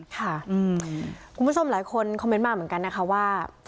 คุณผู้ชมหลายคนคอมเมนต์มาเหมือนกันนะคะว่า